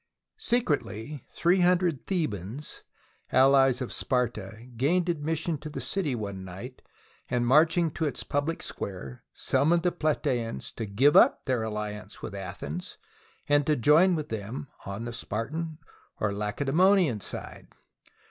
Secretly three hundred Thebans, allies of Sparta, gained admission to the city one night, and march ing to its public square summoned the Platseans to give up their alliance with Athens and to join with them on the Spartan, or Lacedsemonian, side.